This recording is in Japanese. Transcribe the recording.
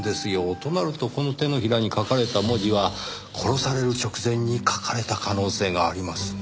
となるとこの手のひらに書かれた文字は殺される直前に書かれた可能性がありますねぇ。